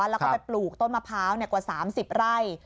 แล้วก็ไปปลูกต้นมะพร้าวกว่า๓๐ไร่